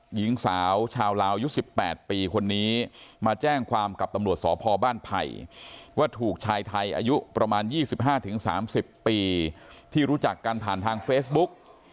หญิงสาวชาวลาวยุค๑๘ปีคนนี้มาแจ้งความกับตำรวจสพบ้านไผ่ว่าถูกชายไทยอายุประมาณ๒๕๓๐ปีที่รู้จักกันผ่านทางเฟซบุ๊ก